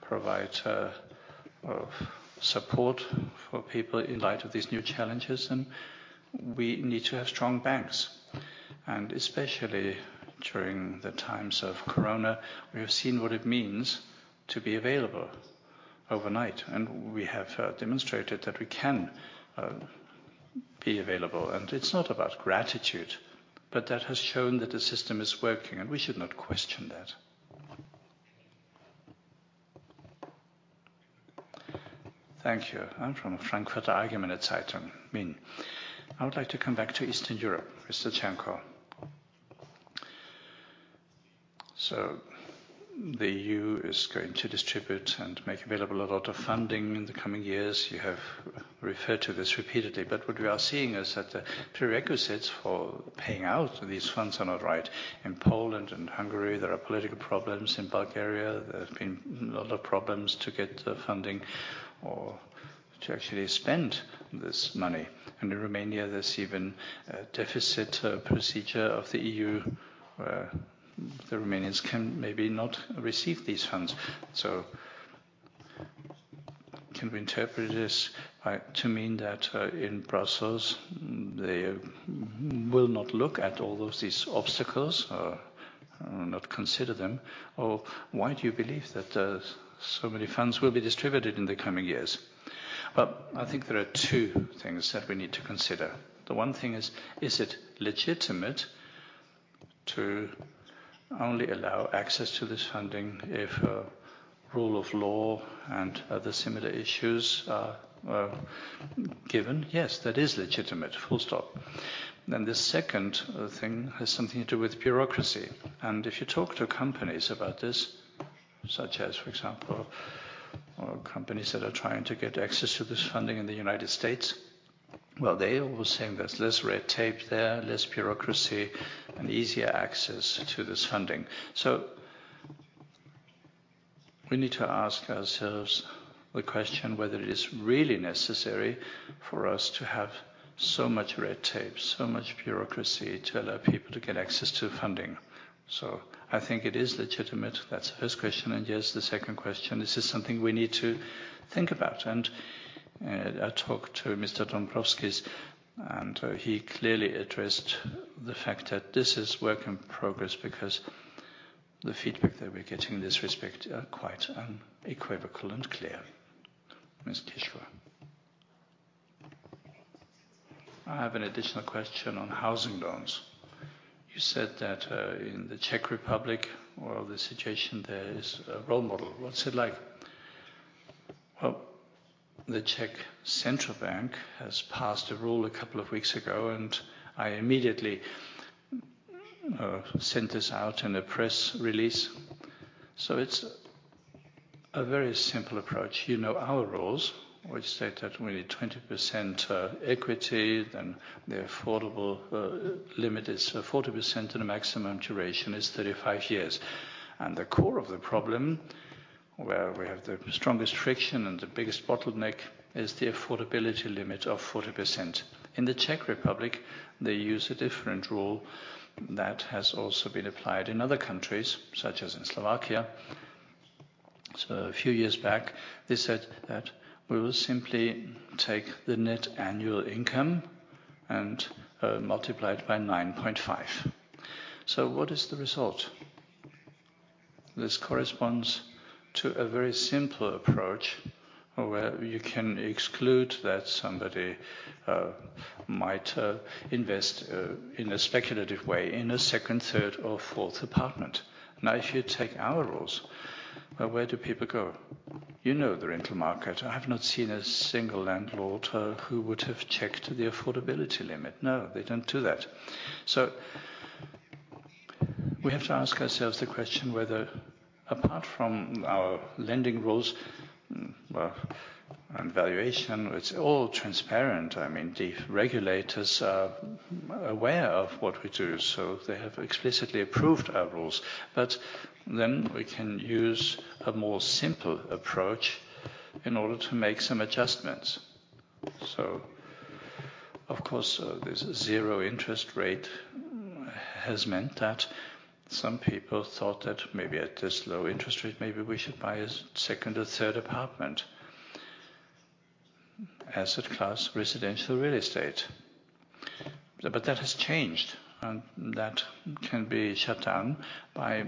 provide support for people in light of these new challenges, then we need to have strong banks. Especially during the times of Corona, we have seen what it means to be available overnight, and we have demonstrated that we can be available. It's not about gratitude, but that has shown that the system is working, and we should not question that. Thank you. From Frankfurter Allgemeine Zeitung, Min: "I would like to come back to Eastern Europe, Mr. Cernko. The EU is going to distribute and make available a lot of funding in the coming years. You have referred to this repeatedly, but what we are seeing is that the prerequisites for paying out these funds are not right. In Poland and Hungary, there are political problems. In Bulgaria, there have been a lot of problems to get the funding to actually spend this money. In Romania, there's even a deficit procedure of the EU, where the Romanians can maybe not receive these funds. Can we interpret this to mean that in Brussels, they will not look at all those, these obstacles or not consider them? Why do you believe that so many funds will be distributed in the coming years? Well, I think there are two things that we need to consider. The one thing is: Is it legitimate to only allow access to this funding if rule of law and other similar issues are, are given? Yes, that is legitimate. Full stop. The second thing has something to do with bureaucracy, and if you talk to companies about this, such as, for example, companies that are trying to get access to this funding in the United States, well, they all saying there's less red tape there, less bureaucracy, and easier access to this funding. We need to ask ourselves the question whether it is really necessary for us to have so much red tape, so much bureaucracy, to allow people to get access to funding. I think it is legitimate. That's the first question, and yes, the second question, this is something we need to think about. I talked to Mr. Dombrovskis, and he clearly addressed the fact that this is work in progress because the feedback that we're getting in this respect are quite unequivocal and clear. Mr. Tiscza. I have an additional question on housing loans. You said that in the Czech Republic, or the situation there is a role model. What's it like? Well, the Czech National Bank has passed a rule a couple of weeks ago. I immediately sent this out in a press release. It's a very simple approach. You know, our rules, which state that we need 20% equity, then the affordable limit is 40%, and the maximum duration is 35 years. The core of the problem, where we have the strongest friction and the biggest bottleneck, is the affordability limit of 40%. In the Czech Republic, they use a different rule that has also been applied in other countries, such as in Slovakia. A few years back, they said that we will simply take the net annual income and multiply it by 9.5. What is the result? This corresponds to a very simple approach, where you can exclude that somebody might invest in a speculative way in a second, third, or fourth apartment. If you take our rules, where do people go? You know, the rental market. I have not seen a single landlord who would have checked the affordability limit. No, they don't do that. We have to ask ourselves the question whether, apart from our lending rules and valuation, it's all transparent. I mean, the regulators are aware of what we do, so they have explicitly approved our rules. We can use a more simple approach in order to make some adjustments. Of course, this 0 interest rate has meant that some people thought that maybe at this low interest rate, maybe we should buy a second or third apartment. Asset class, residential real estate. That has changed, and that can be shut down by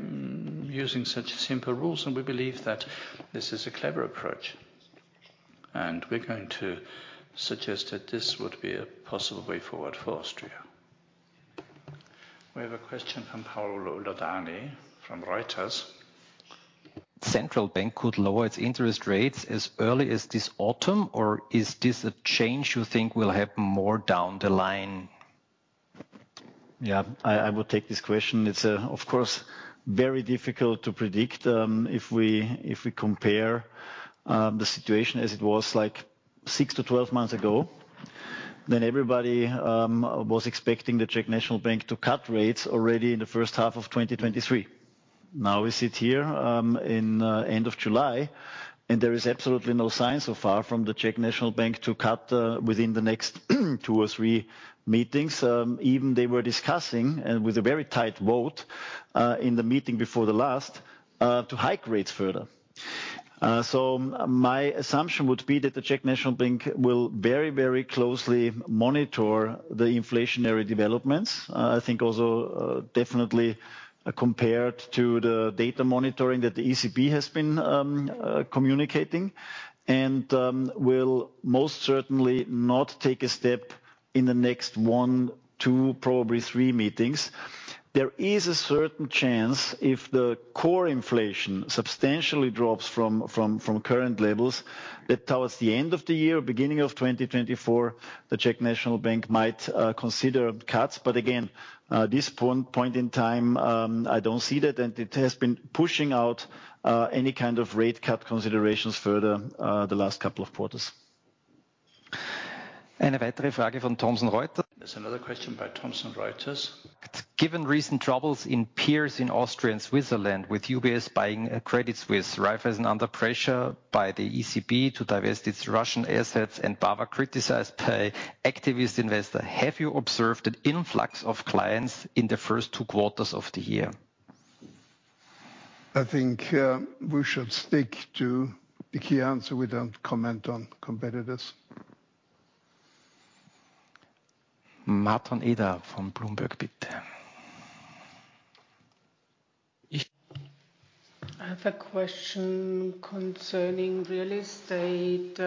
using such simple rules, and we believe that this is a clever approach, and we're going to suggest that this would be a possible way forward for Austria. We have a question from Paolo Laudani from Reuters. Central bank could lower its interest rates as early as this autumn, or is this a change you think will happen more down the line? I, I will take this question. It's, of course, very difficult to predict, if we, if we compare, the situation as it was like six to 12 months ago, then everybody, was expecting the Czech National Bank to cut rates already in H1 2023. Now, we sit here, in, end of July, and there is absolutely no sign so far from the Czech National Bank to cut, within the next two or three meetings. Even they were discussing, and with a very tight vote, in the meeting before the last, to hike rates further. My assumption would be that the Czech National Bank will very, very closely monitor the inflationary developments. I think also, definitely compared to the data monitoring that the ECB has been communicating, and will most certainly not take a step in the next 1, 2, probably 3 meetings. There is a certain chance, if the core inflation substantially drops from, from, from current levels, that towards the end of the year or beginning of 2024, the Czech National Bank might consider cuts. Again, this point, point in time, I don't see that, and it has been pushing out any kind of rate cut considerations further the last couple of quarters. Eine weitere Frage von Thomson Reuters. There's another question by Thomson Reuters. Given recent troubles in peers in Austria and Switzerland, with UBS buying Credit Suisse, Raiffeisen under pressure by the ECB to divest its Russian assets, and BABA criticized by activist investor, have you observed an influx of clients in the first two quarters of the year? I think, we should stick to the key answer. We don't comment on competitors. Marton Eder von Bloomberg, bitte. I have a question concerning real estate.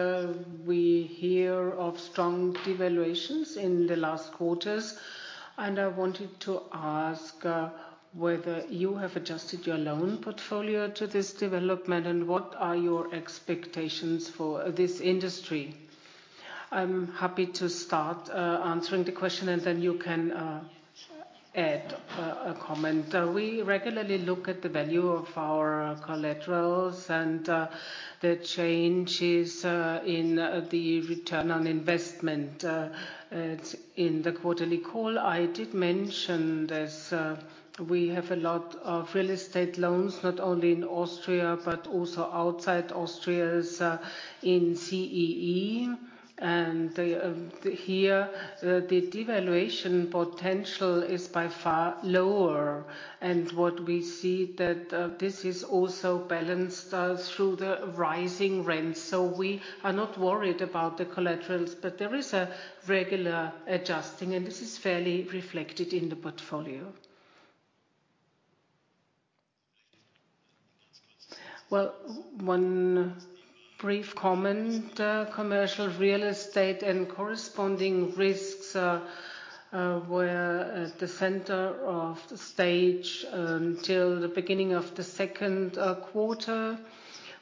We hear of strong devaluations in the last quarters, and I wanted to ask whether you have adjusted your loan portfolio to this development, and what are your expectations for this industry? I'm happy to start answering the question, and then you can add a comment. We regularly look at the value of our collaterals and the changes in the return on investment. At, in the quarterly call, I did mention this, we have a lot of real estate loans, not only in Austria, but also outside Austria's in CEE. Here, the devaluation potential is by far lower. What we see that this is also balanced through the rising rents. We are not worried about the collaterals, but there is a regular adjusting, and this is fairly reflected in the portfolio. Well, one brief comment. Commercial real estate and corresponding risks were at the center of the stage till the beginning of the second quarter.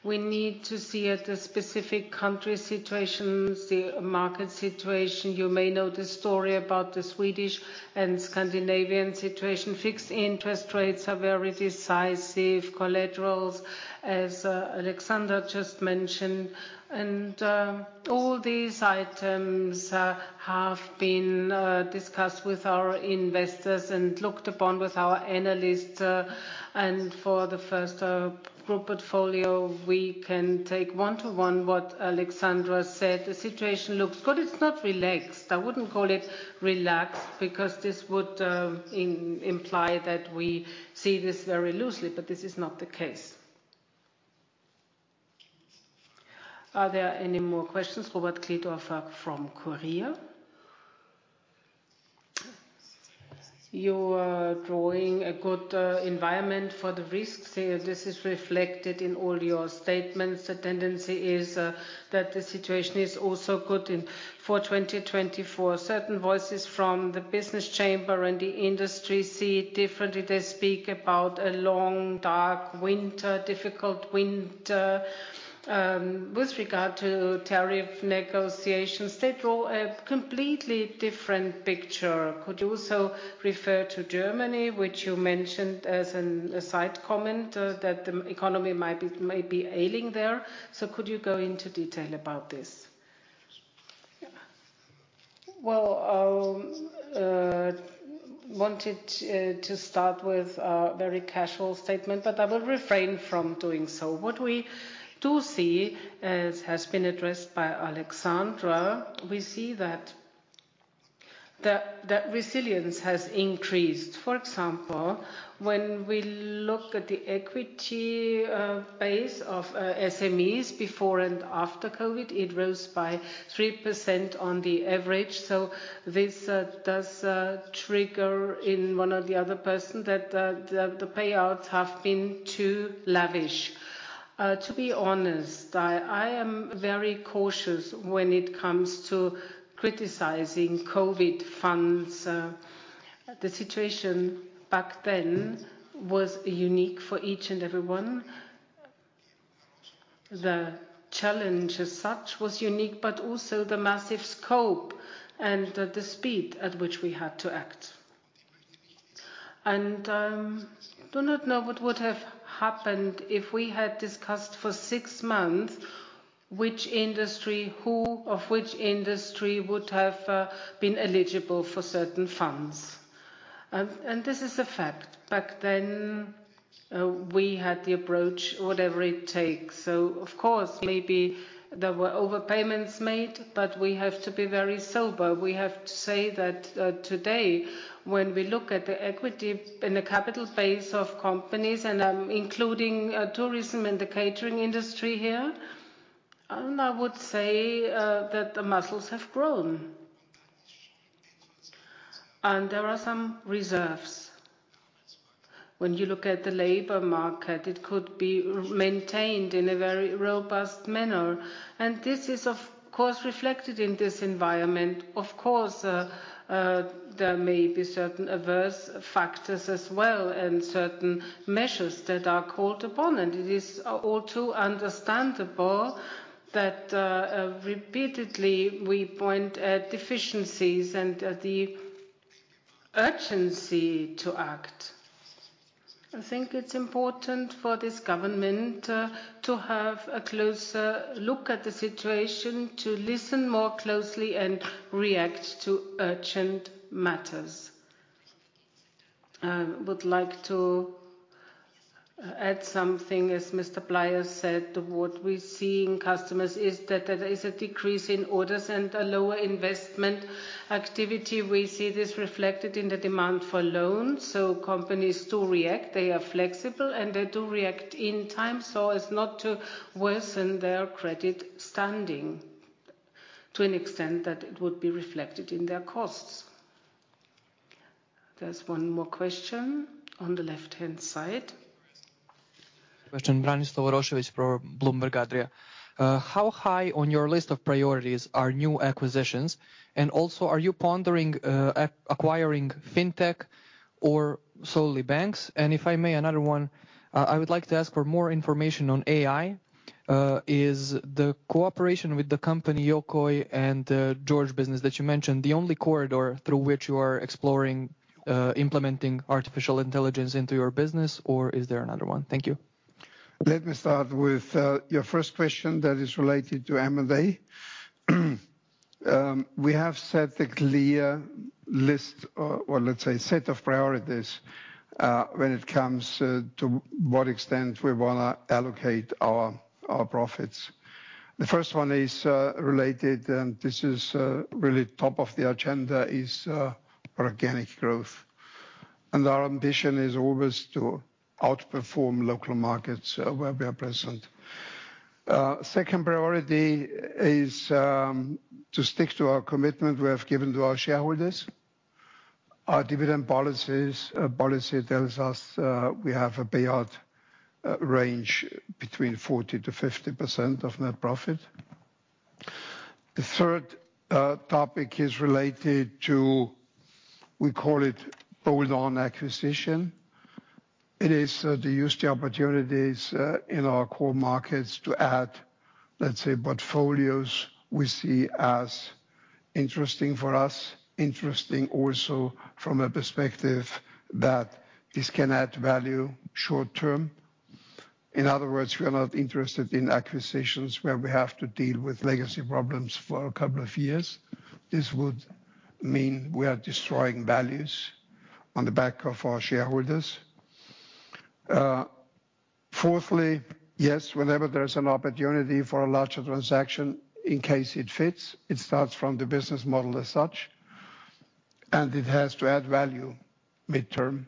We need to see at the specific country situations, the market situation. You may know the story about the Swedish and Scandinavian situation. Fixed interest rates are very decisive collaterals, as Alexandra just mentioned, all these items have been discussed with our investors and looked upon with our analysts. For the first group portfolio, we can take one to one what Alexandra said. The situation looks good. It's not relaxed. I wouldn't call it relaxed, because this would imply that we see this very loosely, but this is not the case. Are there any more questions? Robert Kleedorfer from Kurier. You are drawing a good environment for the risks, and this is reflected in all your statements. The tendency is that the situation is also good in... For 2024. Certain voices from the business chamber and the industry see it differently. They speak about a long, dark winter, difficult winter, with regard to tariff negotiations. They draw a completely different picture. Could you also refer to Germany, which you mentioned as a side comment, that the economy might be, might be ailing there? Could you go into detail about this? Well, wanted to start with a very casual statement, but I will refrain from doing so. What we do see, as has been addressed by Alexandra, we see that, that, that resilience has increased. For example, when we look at the equity base of SMEs before and after COVID, it rose by 3% on the average. This does trigger in one or the other person that the payouts have been too lavish. To be honest, I, I am very cautious when it comes to criticizing COVID funds. The situation back then was unique for each and everyone. The challenge as such was unique, but also the massive scope and the speed at which we had to act. Do not know what would have happened if we had discussed for six months which industry, who of which industry, would have been eligible for certain funds. This is a fact. Back then, we had the approach, whatever it takes. Of course, maybe there were overpayments made, but we have to be very sober. We have to say that today, when we look at the equity and the capital base of companies, and including tourism and the catering industry here, I would say that the muscles have grown and there are some reserves. When you look at the labor market, it could be maintained in a very robust manner, this is, of course, reflected in this environment. Of course, there may be certain adverse factors as well and certain measures that are called upon, and it is all too understandable that repeatedly we point at deficiencies and at the urgency to act. I think it's important for this government to have a closer look at the situation, to listen more closely and react to urgent matters. Would like to add something, as Mr. Bleier said, what we see in customers is that there is a decrease in orders and a lower investment activity. We see this reflected in the demand for loans. Companies do react, they are flexible, and they do react in time so as not to worsen their credit standing to an extent that it would be reflected in their costs. There's one more question on the left-hand side. Question, Branislav Rošović from Bloomberg Adria. How high on your list of priorities are new acquisitions? Also, are you pondering, acquiring Fintech or solely banks? If I may, another one. I would like to ask for more information on AI. Is the cooperation with the company Yokoy and George Business that you mentioned, the only corridor through which you are exploring, implementing artificial intelligence into your business, or is there another one? Thank you. Let me start with your first question that is related to M&A. We have set a clear list, or let's say, set of priorities, when it comes to what extent we wanna allocate our, our profits. The first one is related, and this is really top of the agenda is organic growth. And our ambition is always to outperform local markets where we are present. Second priority is to stick to our commitment we have given to our shareholders. Our dividend policies, policy tells us, we have a payout range between 40%-50% of net profit. The third topic is related to, we call it build on acquisition. It is to use the opportunities in our core markets to add, let's say, portfolios we see as interesting for us, interesting also from a perspective that this can add value short term. In other words, we are not interested in acquisitions where we have to deal with legacy problems for a couple of years. This would mean we are destroying values on the back of our shareholders. Fourthly, yes, whenever there's an opportunity for a larger transaction, in case it fits, it starts from the business model as such, and it has to add value midterm.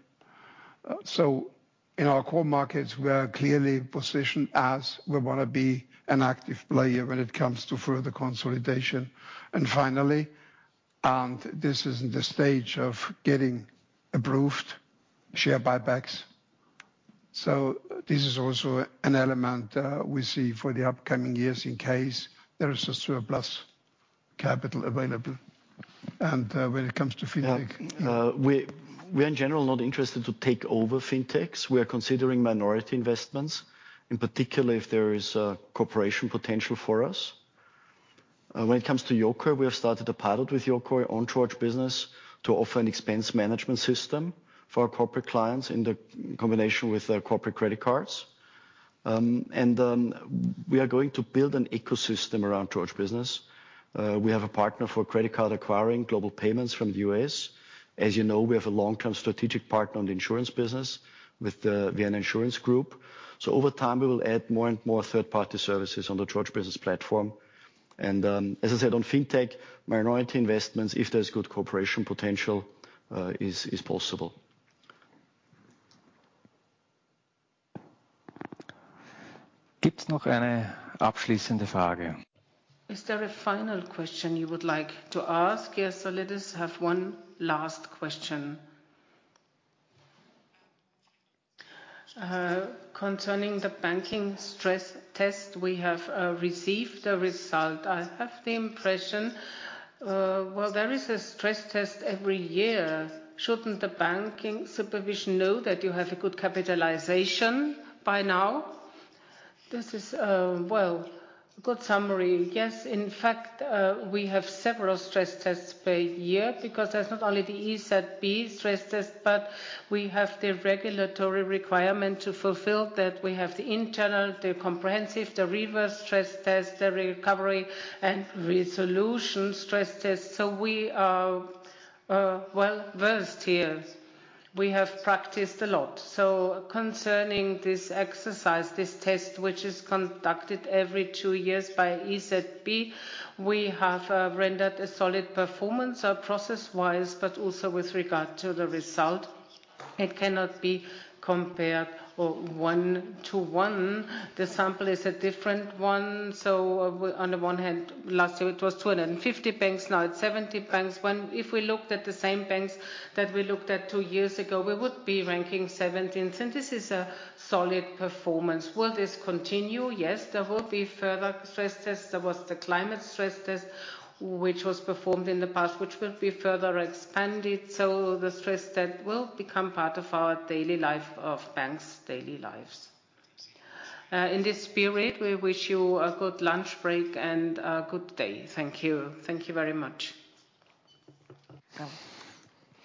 In our core markets, we are clearly positioned as we wanna be an active player when it comes to further consolidation. Finally, and this is in the stage of getting approved, share buybacks. This is also an element, we see for the upcoming years in case there is a surplus capital available. When it comes to Fintech- We, we are in general, not interested to take over Fintechs. We are considering minority investments, in particular, if there is a cooperation potential for us. When it comes to Yokoy, we have started a pilot with Yokoy on George Business to offer an expense management system for our corporate clients in the combination with corporate credit cards. We are going to build an ecosystem around George Business. We have a partner for credit card acquiring, Global Payments from the U.S. As you know, we have a long-term strategic partner on the insurance business with the Vienna Insurance Group. Over time, we will add more and more third-party services on the George Business platform. As I said, on Fintech, minority investments, if there's good cooperation, potential, is, is possible. Is there a final question you would like to ask? Let us have one last question. Concerning the banking stress test, we have received a result. I have the impression, Well, there is a stress test every year. Shouldn't the banking supervision know that you have a good capitalization by now? This is, well, good summary. In fact, we have several stress tests per year, because there's not only the EZB stress test, but we have the regulatory requirement to fulfill, that we have the internal, the comprehensive, the reverse stress test, the recovery and resolution stress test. We are well-versed here. We have practiced a lot. Concerning this exercise, this test, which is conducted every two years by EZB, we have rendered a solid performance, process-wise, but also with regard to the result. It cannot be compared, one to one. The sample is a different one. On the one hand, last year it was 250 banks, now it's 70 banks. When, if we looked at the same banks that we looked at two years ago, we would be ranking 17th, and this is a solid performance. Will this continue? Yes, there will be further stress tests. There was the climate stress test, which was performed in the past, which will be further expanded. The stress test will become part of our daily life of banks' daily lives. In this spirit, we wish you a good lunch break and a good day. Thank you. Thank you very much.